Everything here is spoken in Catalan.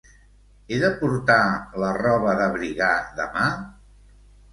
He de portar la roba d'abrigar demà?